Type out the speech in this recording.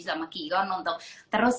sama kion untuk terus